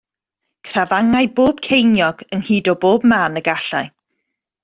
Crafangai bob ceiniog ynghyd o bob man y gallai.